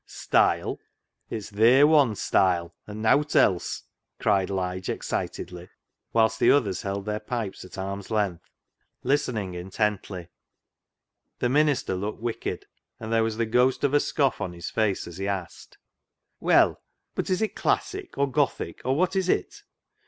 " Style ! it's th' A i style, an' nowt else," cried Lige excitedly, whilst the others held their pipes at arm's length, listening intently. The minister looked wicked, and there was the ghost of a scoff on his face as he asked —" Well, but is it classic, or Gothic, or what is it